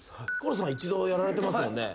窪田さんは一度やられてますもんね。